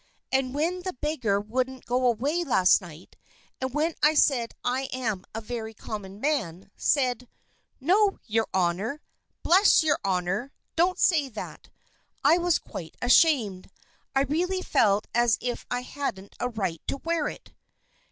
And when the beggar wouldn't go away last night; and when I said I am a very common man, said, 'No, Your Honor! Bless Your Honor, don't say that!' I was quite ashamed. I really felt as if I hadn't a right to wear it."